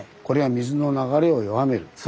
これは水の流れを弱める。